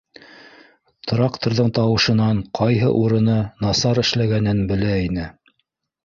Тракторҙың тауышынан ҡайһы урыны насар эшләгәнен белә ине.